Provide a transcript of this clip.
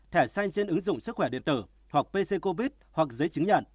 thả xanh trên ứng dụng sức khỏe điện tử hoặc pc covid hoặc giấy chứng nhận